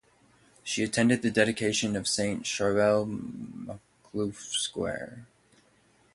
She attended the dedication of Saint Charbel Makhlouf square.